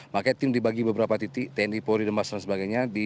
makanya tim dibagi beberapa titik tni polri demas dan sebagainya